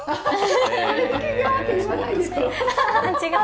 違う？